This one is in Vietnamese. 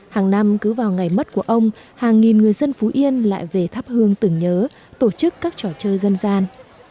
hàng năm cứ vào ngày mất của ông hàng nghìn người dân phú yên lại về thắp hương tưởng nhớ tổ chức các trò chơi dân gian